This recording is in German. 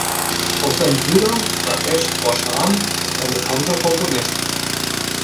Auch sein Bruder Rajesh Roshan ist ein bekannter Komponist.